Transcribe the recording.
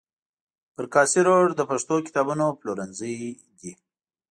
پر کاسي روډ د پښتو کتابونو پلورنځي دي.